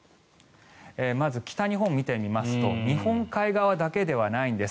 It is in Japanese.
まず北日本を見てみますと日本海側だけではないんです。